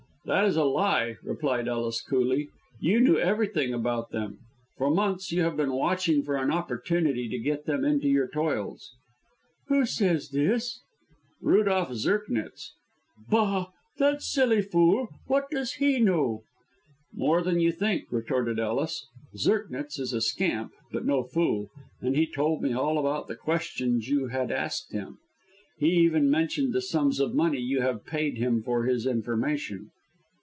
"That is a lie!" replied Ellis, coolly. "You know everything about them. For months you have been watching for an opportunity to get them into your toils." "Who says this?" "Rudolph Zirknitz." "Bah! that silly fool! What does he know?" "More than you think," retorted Ellis. "Zirknitz is a scamp, but no fool, and he told me all about the questions you had asked him. He even mentioned the sums of money you have paid him for his information."